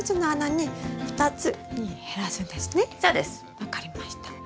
分かりました。